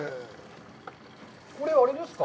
これはあれですか。